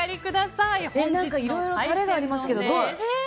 いろいろタレがありますけど。